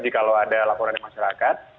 jika ada laporan dari masyarakat